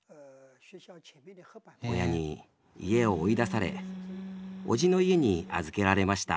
親に家を追い出され叔父の家に預けられました。